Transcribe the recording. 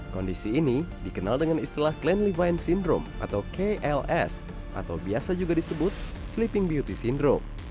kondisi ini dikenal dengan istilah cleanlivine syndrome atau kls atau biasa juga disebut sleeping beauty syndrome